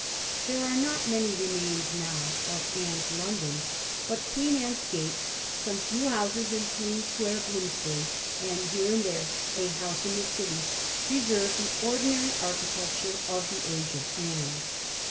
There are not many remains now of Anne's London, but Queen Anne's Gate, some few houses in Queen Square, Bloomsbury, and here and there a house in the City, preserve the ordinary architecture of the age of Anne.